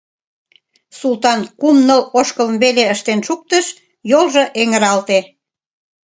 Султан кум-ныл ошкылым веле ыштен шуктыш, йолжо эҥыралте.